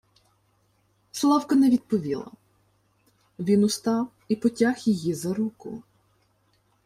Славка не відповіла. Він устав і потяг її за руку: